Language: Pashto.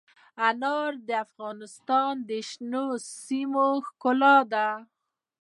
انار د افغانستان د شنو سیمو ښکلا ده.